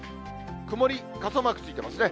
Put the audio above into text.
曇り傘マークついてますね。